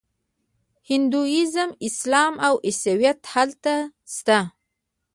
هندویزم اسلام او عیسویت هلته شته.